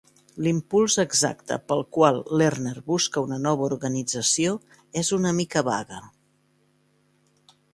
L'impuls exacte pel qual Lerner busca una nova organització és una mica vague.